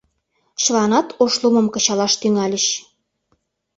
Чыланат Ошлумым кычалаш тӱҥальыч.